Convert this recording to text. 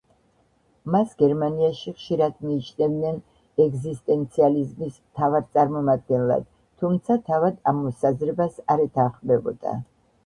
მას გერმანიაში ხშირად მიიჩნევდნენ ეგზისტენციალიზმის მთავარ წარმომადგენლად, თუმცა თავად ამ მოსაზრებას არ ეთანხმებოდა.